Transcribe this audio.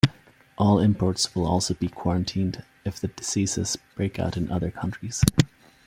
All imports will also be quarantined if the diseases breakout in other countries.